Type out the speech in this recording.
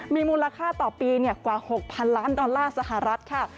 มีมูลค่าต่อปีนี่กว่า๖พันล้านดอลเมริกาค่ะ